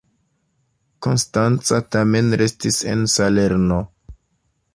Konstanca tamen restis en Salerno.